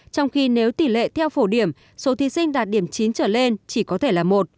trong khi nếu tỷ lệ theo phổ điểm số thí sinh đạt điểm chín trở lên chỉ có thể là một